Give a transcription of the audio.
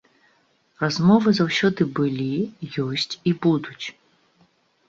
Размовы заўсёды былі, ёсць і будуць.